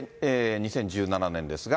で、２０１７年ですが。